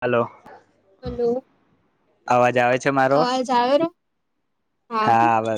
Hello. Hello, અવાજ આવે છે મારો અવાજ આવે મારો? હા, આવે.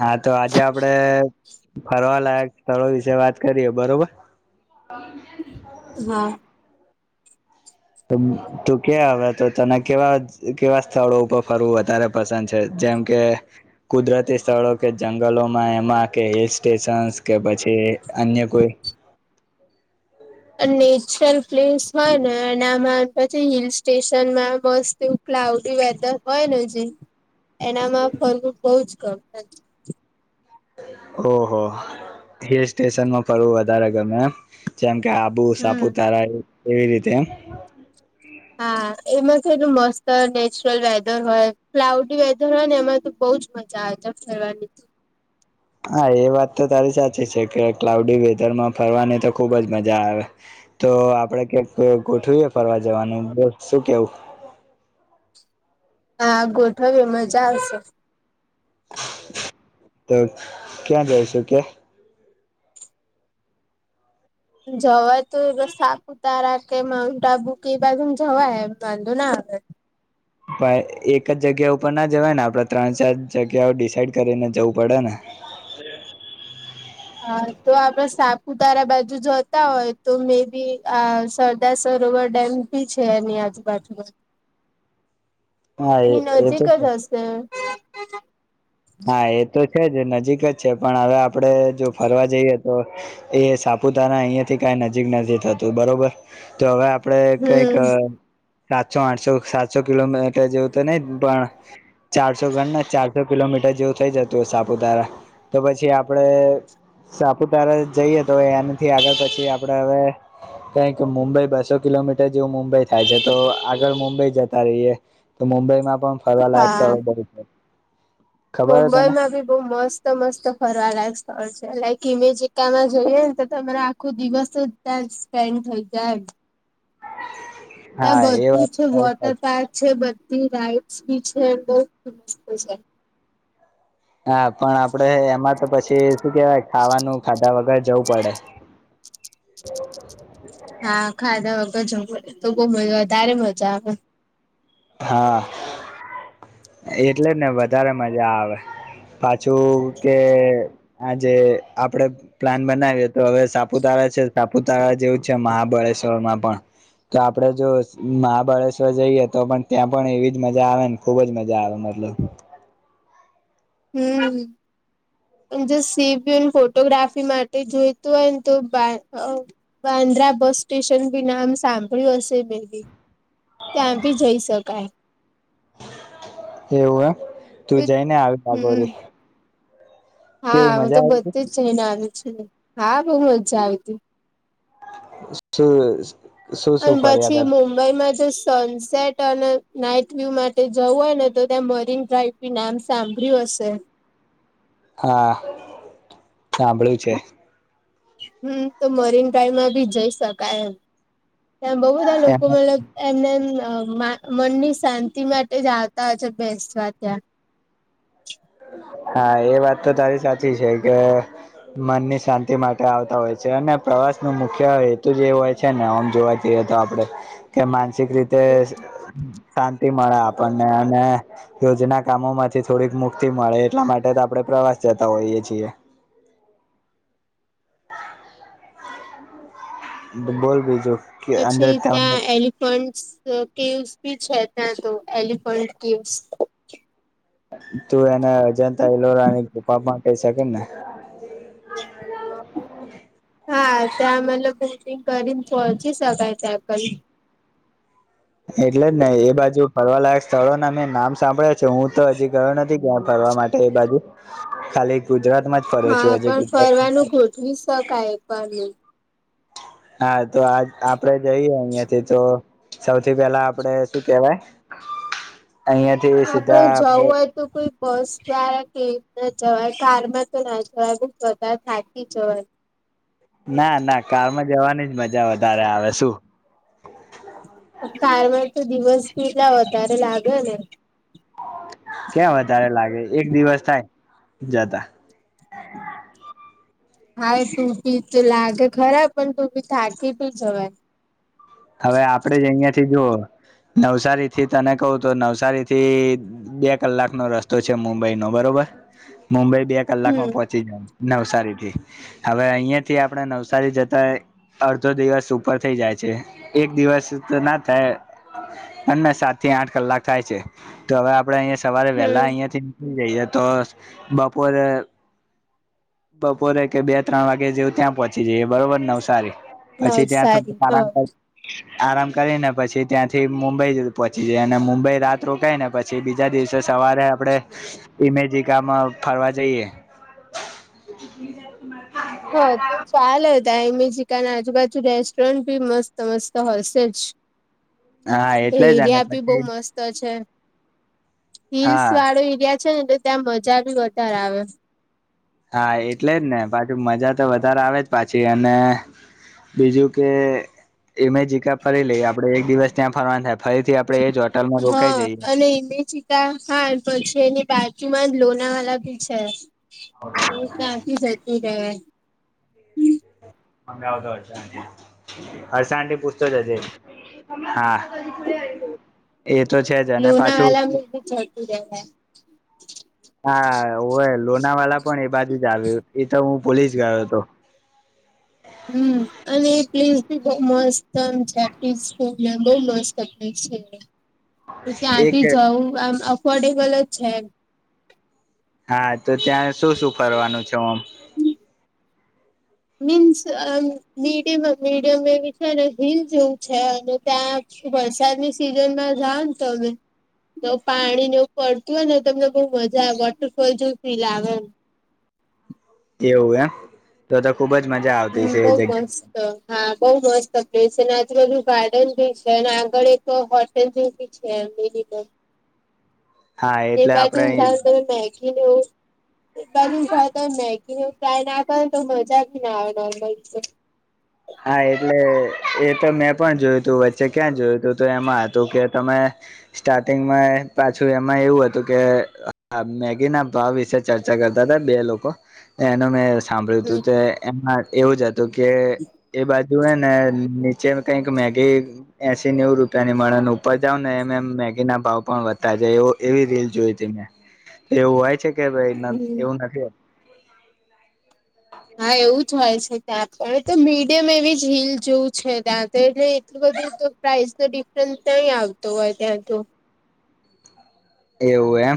હા, તો આજે આપણે ફરવાલાયક સ્થળો વિશે વાત કરીએ, બરોબર. હા. તું કે, હવે તો તને કેવા કેવા સ્થળો ઉપર ફરવું વધારે પસંદ છે, જેમ કે કુદરતી સ્થળો કે જંગલોમાં, એમાં કે હિલ સ્ટેશન્સ કે પછી અન્ય કોઈ નેચરલ પ્લેસ હોય ને, અને આમાં પછી હિલ સ્ટેશનમાં બસ ક્લાઉડી વેધર હોય ને, જે એનામાં ફરવું બહુ જ ગમે. ઓહો, હિલ સ્ટેશનમાં ફરવું વધારે ગમે એમ, જેમ કે બહુ હમ સાપુતારા એવી રીતે એમ હા, એમાં થી મસ્ત નેચરલ વેધર હોય, ક્લાઉડી વેધર હોય ને, એમાં તો બહુ જ મજા આવી જાય ફરવાની. હા એ વાત તો તારી સાચી છે કે ક્લાઉડી વેધર માં ફરવાની તો ખુબ જ મજા આવે. તો આપણે ક્યાંક ગોઠવીએ ફરવા જવાનું, બોલ શું કેવું? હા, ગોઠવી, મજા આવશે. [inaudible] તો ક્યાં જઈશું કે? જવાય તો વરસાદ. તારા કે માઉન્ટ આબુ કે એ બાજુમાં જવાય એમ વાંધો ના આવે. ભાઈ એક જ જગ્યા ઉપર ના જવાય ને આપણેે ત્રણ ચાર જગ્યાઓ ડિસાઇડ કરીને જવું પડે ને. હા તો આપણે સાપુતારા બાજુ જતા હોય તો મે બી આ સ. સરદાર સરોવર ડેમ ભી છે એની આજુબાજુમાં. હા એ એની એ છે નજીક તો. [unintelligible] હા એ તો છે જ નજીક જ છે પણ હવે આપડે જો ફરવા જઈએ તો. એ સાપુતારા અહિયા થી કઈ નજીક નથી થતું બરોબર તો હવે આપ. આપડે કઈક. હમ સાતસો આઠસો સાતસો કિલોમીટર જેવું તો નહી પણ ચારસો ગણ ને ચારસો. કિલોમીટર જેવું થઈ જતું હોય સાપુતારા તો પછી આપડે. સાપુતારા જઈએ તો એનાથી આગળ પછી આપડે હવે. કઈક મુંબઈ બસો કિલોમીટર જેવું મુંબઈ થાય છે તો આગળ મુંબઈ જતા રહીએ. તો મુંબઈ માં પણ ફરવા લાયક હા સ્થળો બહુ છે. ખબર હે તને મુંબઈમાં ભી. બઉ મસ્ત મસ્ત ફરવાલાયક સ્થળ છે લાઈક ઈમેજીકા માં જોઈએ ને તો તમારે આખો દિવસ. ટાઇમ સ્પેન્ડ થઈ જાય. ત્યાં હા એ બધું વાત છે તારી વોટર સાચી પાર્ક છે બધી રાઇડ્સ બી છે બહુ મસ્ત છે. હા પણ આપડે એમાં તો પછી શું કેવાય ખાવાનું ખાધા વગર જવું પડે. હા ખાધા વગર જવુ તો બવ વધારે મજા આવે. હા એટલે જ ને વધારે મજા આવે. પાછું કે આજે આપડે. પ્લાન બનાવીએ તો હવે સાપુતારા છે સાપુતારા જેવું છે મહાબળેશ્વરમાં પણ. તો આપડે જો મહાબળેશ્વર જઈએ તો પણ. ત્યાં પણ એવી જ મજા આવેને ખુબ જ મજા આવે મતલબ. હમ્મ. જો સીપી ફોટોગ્રાફી માટે જોઈતું હોય ને તો બાય. બાંદ્રા બસ સ્ટેશન બી નામ સાંભળ્યું હશે મે. ત્યાં ભી જઈ શકાય. એવું એમ તું જઈ ને આવી હમ લગોડી. હા હું તો બધે જ જઈને આવી છું ને હા બહુ મજા આવી હતી. શું જોયું. અને પછી મુંબ. મુંબઈમાં જો સનસેટ અને નાઈટ વ્યુ માટે જવું હોય ને તો ત્યાં મરીન ડ્રાઈવ. ભી નામ સાંભળ્યું હશે. હા સાંભળું છે. હમ તો મરીન ડ્રાઈવમાં ભી જઈ શકાય એમ ત્યા બહુ બધા લોકો એમાં મતલબ. એમને મા મનની શાંતિ માટે જ આવતા હોય છે બેસવા ત્યાં. હા એ વાત તો તારી સાચી છે કે. મનની શાંતિ માટે આવતા હોય છે અને પ્રવાસ નો મુખ્ય હેતુ જે હોય. છે ને આમ જોવા જઈએ તો આપડે કે માનસિક રીતે. તે શાંતિ મળે આપણને અને રોજના કામો માંથી થોડીક મુ. ક્તિ મળે એટલા માટે તો આપણે પ્રવાસ જતા હોઈએ છીએ. બોલ બીજું. કે અંદર પછી ત્યાં તું એલી. ફન્ટ કિવ્સ ભી છે ત્યાં તો એલિફન્ટ કિવ્સ. તું એને અજંતા ઈલોરાની ગુફા પણ કઈ શકે ને. [unintelligible] હા તમલ બુકિંગ કરીને થોડછ સગાય છે એ પણ એટલે જ ને એ બાજુ ફરવાલાયક સ્થળો ના મેં નામ સાંભળ્યા છે, હું તો હજી ગયો નથી ક્યાં ફરવા માટે એ બાજુ ખાલી ગુજરાતમાં જ ફર્યો છું હા, હજી પણ ફરવાનું ગુજરાત ગોઠવી શકાય પણ હા, તો આજ આપડે જઈએ અહિયાંથી તો સૌથી પેલા આપડે શું કેવાય, અહિયાં આપડે જવું હોઈ તો કોઈ બસ જ કે ના જવાય કારમાં તો ના જવાય બ વધા થાકી જવાય ના ના કારમાં જવાની જ મજા વધારે આવે શું. [unintelligible] કારમાં તો દિવસ પેલા વધારે લાગે ને, ક્યા વધારે લાગે એક દિવસ થાય જતા. [unintelligible] હા, તું ભી તો લાગે ખરાબ પણ તું બી થાકી ભી જવાય. હવે આપડે જ અહિયાંથી જુઓ નવસારી થી તને કવું તો નવસારી થી બે કલાકનો રસ્તો છે, મુંબઈ નો બરોબર મુંબઈ બે કલાકમાં હમ પોહચ નવસારીથી હવે અહિયાંથી આપણે નવસારી જતા અડધો દિવસ ઉપર થઇ જાય છે. એક દિવસ તો ના થાય અનેને સાત થી આઠ કલાક થાય છે. તો હવે આપડે અહીયાંયા સવારે વેલા હમ અહિયાયાથી નીકળી જઈએે, તો બપોરે બપોરે કે બે ત્રણ વાગે જેવું ત્યાં પહોંચી જઈએ, બરોબર નવસારી પછી ત્યાં નવસારી થોડું હ આરામ કર આરામ કરી ને પછી ત્યાંથી મુંબઈ પહોંચી જાય, અને મુંબઈ રાત રોકાય ને પછી પછી બીજા દિવસે સવારે આપણે ઇમેજી ગામાં ફરવા જઈએ, [unintelligible] હા તો ચાલે તા એમેજીિકને આજુબાજુ રેસ્ટોરન્ટ બી મસ્ત મસ્ત હશે જ, હા એ એટલે જ અને એરિયા ભી બવ પછી મસ્ત તો છે હીલ્સ હા વાળો એરિયા છે ને, તો ત્યાં મજા ભી વધારે આવે હા, એટલે જ ને પાછુ મજા તો વધારે આવે જ પાછી અને બીજું કે એમે જીિક ફરી લઈ આપડે એક દિવસ ત્યાં ફરવાન થાય, ફરીથી આપણેે જ હોટલમાં રોકાઈ હા જઈએ. અને એ [unintelligible] પછી એની બાજુમાં જ લોના વાલા ભી છે તો ત્યાંથી જતું રેવાય [inaudible] અમે આવ તો વ છે, હરસાણથી પૂછતો જ હશે હા, એ તો છે જ અને પાછું લોનાવાલા બી [unintelligible] હા, ઓય લોના વાલા પણ એ બાજુ જ આવ્યુ એ તો હું પોલીસ ગયો હતો, હમ્મ અને એ પ્લેસી ભી બવ મસ્ત છે, બવ મસ્ત એ એક ત્યાંથી જવું આમ અફોર્ડેબલ જ છે, એમ હા તો ત્યાં શું શું ફરવાનું છે, હું આમ મીન્સ અ મીડિયમ મીડિયમ એવી છે અને હિલ જેવું છે, અને ત્યાં શ વરસાદની સિઝનમાં જાવ ને તમે તો પાણીને એવું પડતું હોય ને તમને બહુ મજા આવે વોટરફોલ જોવુ ફીલ આવે, એવું એમ તો તો ખુબ જ મજા આવતી હમ હશે એ બહુ જગ્યા મસ્ત હા, બઉુ મસ્ત પ્લેસ છે, અને આજુબાજુ ગાર્ડન ભી છે, અને આગળ એક હો [unintelligible] હા તે એટલે બાજુ આપડે અહી [inaudible] મેગી લેવ એ [inaudible] મગી ત કાય ના કર તો મજા બી ના આવે નોર્મલ હા એટલે એ તો મેં પણ જોયું તું વચ્ચે ક્યાં જોયું તું તો એમાં હતું કે તમે સ્ટાર્ટિંગમાં પાછું એમાં એવું હતું કે મેગી ના ભાવ વિશે ચર્ચા કરતા હતા બે લોકો એનો મેં સાંભળ્યું હતું હમ તે એમાં એવું જ હતું કે એ બાજુ હ ને નીચે કઈક મેગી એસી નેવ રૂપિયાની મળન ઉપર જાવ ને એમ એમ મેગી ના ભાવ પણ વધતા જાય એવ એવી રીલ જોઈ હતી મેં એવું હોય છે કે ભાઈ હમ એવું નથી હા એવું જ હોય છે ત્યાં પણ તો મીડિયમ એવી જ હિલ જોવું છે ત્યાં તો એટલે એટલું બધું તો પ્રાઇસ તો ડિફરન્સ ત્યાં આવતો હોય ત્યાં તો એવું એમ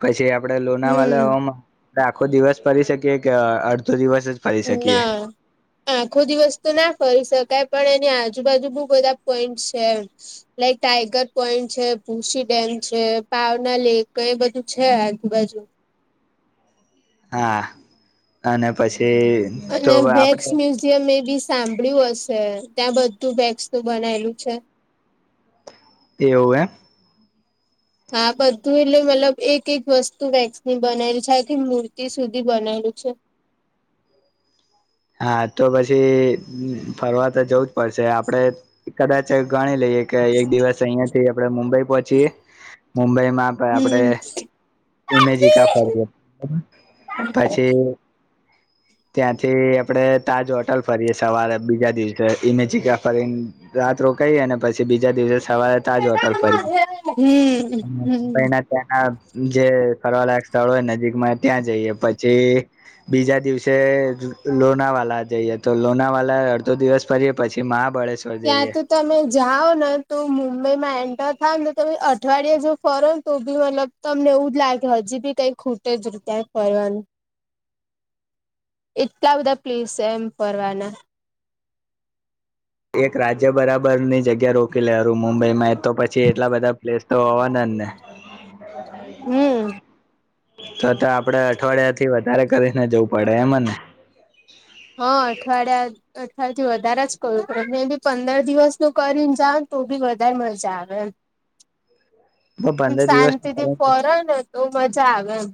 પછી આપડે લોના હમ વાલામાં આપ આખો દિવસ પરી શકી કે અડધો દિવસ જ ફરી શકીએ ના આખો દિવ વસ્તુ ના ફરી શકાય પણ એની આજુબાજુ બહ બધા પોઈન્ટ છે લાઈક ટાઈગર પોઈન્ટ છે પુશી ડેમ છે પાવના લેક ક એ બધું છે આજુબાજુ હા અને પછી તો અ વકસ આપડે જે મેં બી સાંભળ્યું હશે ત્યાં બધું બેગસ નું બનાયલું છે તેવું એ હા બધું એટલે મતલબ એક એક વસ્તુ વેક્સની બનાલી છે આખી મૂર્તિ સુધી બનાલું છે હા તો પછી ફરવા તો જવું જ પડશે આપડે કદાચ ગણી લઈએ એક દિવસ અહિયાં થી આપડે મુંબઈ પહોંચીયે મુંબઈ માં હમ [unintelligible] ઉમેજી કા ફર પછી ત્યાંથી આપડે તાજ હોટલ ફરીએ સવારે બીજા દિવસે ને જગા ફરીને રાત રોકાઈ અને પછી બીજા દિવસે સવારે તાજ તપ હમ [unintelligible] હમ ત્યાના જે ફરવાલાયક સ્થળો હોય નજીકમાં ત્યાં જઈએ પછી બીજા દિવસે લોનાવાલા જઈએ તો લોનાવાલા અડધો દિવસ પરીએ પછી મહાબળેશ્વર ત્યાં જઈએ તો [inaudible] તમે જાઓ ને તો મુંબઈ માં એન્ટર થાવ ને તમે અઠવાડિયા જો ફરો ને તો બી મતલબ તમને એવું જ લાગે કે હજી બી કઈ ખૂટે જ ત્યાં ફનું એટલા બધા પ્લેસ છે એમ ફરવાના એક રાજ્ય બરાબર ની જગ્યા રોકી લેું મુંબઈમાં એ તો પછી એટલા બધા પ્લેસ તો હોવાના ને [unintelligible] હમ તો તો આપડે અઠવાડિયા થી વધારે કરીને જવું પડે એમને હ અઠવાડિયા અઠવા થી વધારે જ કું ત બી પંદર દિવસ નું કરીને જ તો બી વધારે મજા આવે એમ અ [inaudible] એમ શાંતિ થી ફોરે ને તો મજા આવે એમ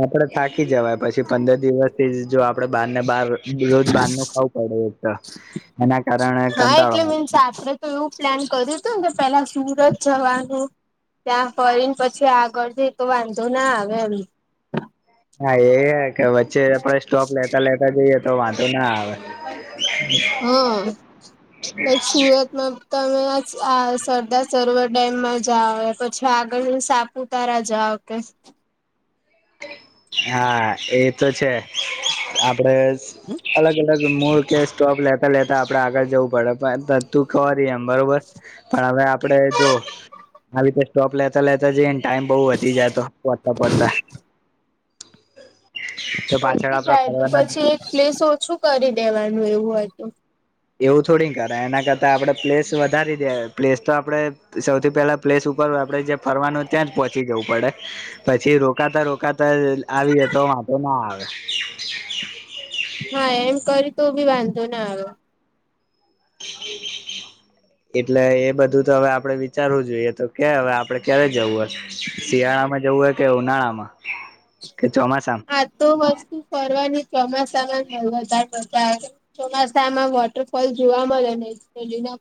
આપડે થાકી જવાય પછી પંદર દિવસ થી જ જો આપડે બાર ને બાર રોજ બંધ નનું ખાવું પડે એક એના કારણે હા કતા એટલે વાળ મીન્સ આપડે તો એવું પ્લાન કર્યું હતું ને કે પેલા સુરત જવાનું ત્યાં ફરીને પછી આગળ જઈ તો વાંધો ના આવે એમ હા એ કે વચ્ચે આપડ સ્ટોક લેતા લેતા જઈએ તો વાંધો ના આવે હા લક સુરતમાં તમે આ સરદાર સરોવર ડેમમાં જાઓ પછી આગળ સાપુતારા જાઓ. [unintelligible] હા એ તો છે. આપડે અલગ અલગ મોડ કે સ્ટોપ લેતા લેતા આપડે આગળ જવું પડે પણ. તું ખબર એમ બરોબર પણ હવે આપણે જો વધતી આવી રીતે. સ્ટોપ લેતા લેતા જઈને ટાઈમ બહુ વધી જાતો પોચતા પોચતા. તો પાછળ વધી આપડા જાય તો ફરવાના પછી એક પ્લેસ ઓછું કરી દેવાનું એવું હોય તો. એવું થોડી ને કરાય એના કરતા આપડે પ્લેસ વધારી દેવાય પ્લેસ તો આપડે સૌથી પહેલા. પ્લેસ ઉપર આપડે જ્યાં ફરવાનું ત્યાં જ પહોચી જવું પડે. પછી રોકાતા રોકાતા આવીએ તો વાતો ના આવે. હા એમ કરી તો બી વાંધો ના આવે. [unintelligible] એટલે એ બધું તો હવે આપડે વિચારવું જોઈએ તો કે હવે આપડે ક્યારે જવું હે શિયાળામાં જવું હે. કે ઉનાળામાં કે ચોમાસામાં. હા તો વધુ ફરવા ની ચોમાસામાં વધારે મજા આવે છે. ચોમાસામાં વોટરફોલ જોવા મળે નેે લીના.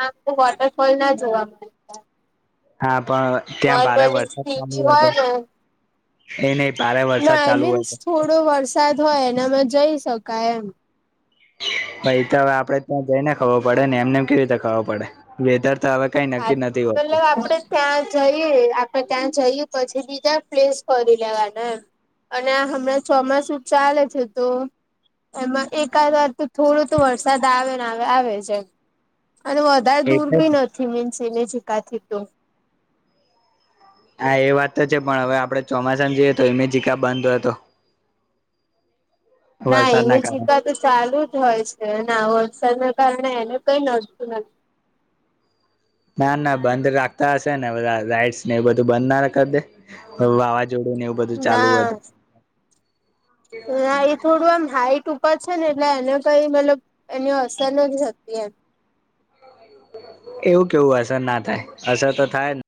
આ તો વોટરફોલ ના જોવા મળે. હા પણ. ત્યાં ભારે નોર્મલી વરસાદ ચાલુ સીટી હોય તો ને. એ નહી ભારે ના વરસાદ આઈ ચાલુ હોય મીન્સ તો થોડો વરસાદ હોય એનામાં જઈ શકાય એમ. ભાઈ તો હવે આપડે ત્યાં જઈ ને ખબર પડેને એમનેમ કેવી રીતે ખબર પડે વેધર તો હવે. કઈ હા નક્કી નથી પેલો હોતું આપડે. ત્યાં જઈએ આપણે ત્યાં જઈએ પછી બીજા પ્લેસ ફરી લેવાના. અને આ હમણાં ચોમાસું ચાલે છે તો. એમાં એકાદ વાર તો થોડો તો વરસાદ આવે ને આવે આવે છે અને. વધારે દૂર એટલે ભી નથી મીન્સ એને જ કાથી તો. હા એ વાત તો છે પણ હવે આપડે ચોમાસામાં જોઈએ તો ઈમેજીકા બંધ હોય તો. ના વરસાદના કારણે ઈમેજીકા તો ચાલુ જ હોય છે ના વરસાદના કારણે એને કઈ નડતું નથી. ના ના બંધ રાખતા હશે ને બધા રાઈડસ ને એ બધું બંધ ના કરી દે. વાવાઝોડું ને એવું બધું નથી ચાલુ હોય ના તો. ના એ થોડું એમ હાઈટ ઉપર છે. ને એટલે એને કઈ મતલબ એની અસર નથી થકતી એમ. એવું કેવું અસર ના થાય અસર તો થાયને.